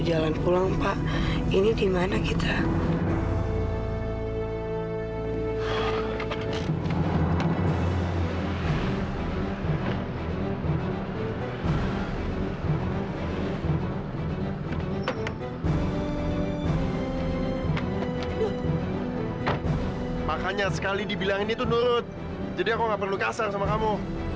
jadi aku nggak perlu kasar sama kamu